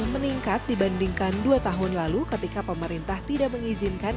meningkat dibandingkan dua tahun lalu ketika pemerintah tidak mengizinkan